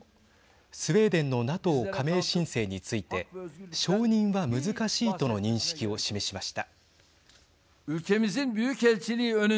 スウェーデンのＮＡＴＯ加盟申請について承認は難しいとの認識を示しました。